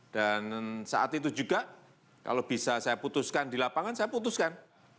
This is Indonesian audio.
dan saat itu juga kalau bisa saya putuskan di lapangan saya putuskan